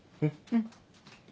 うん。